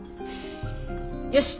よし。